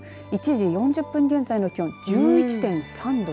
１時４０分現在の気温は２７．１度。